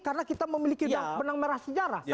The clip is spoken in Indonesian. karena kita memiliki benang merah sejarah